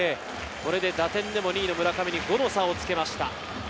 打点でも２位の村上に５の差をつけました。